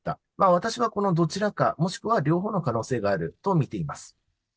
私はこのどちらか、もしくは両方の可能性があると見ています。